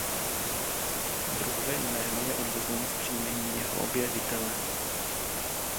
Druhové jméno je odvozeno z příjmení jeho objevitele.